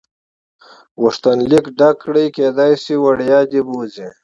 غوښتنلیک ډک کړه کېدای شي وړیا دې بوځي.